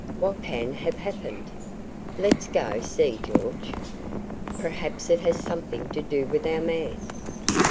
"What can have happened? Let's go see, George. Perhaps it has something to do with our man."